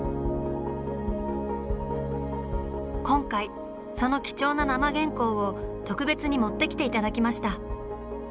今回その貴重な生原稿を特別に持ってきて頂きました。